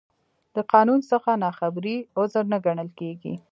د قانون څخه نا خبري، عذر نه ګڼل کېږي.